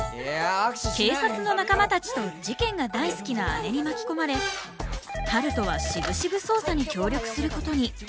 警察の仲間たちと事件が大好きな姉に巻き込まれ春風はしぶしぶ捜査に協力することに。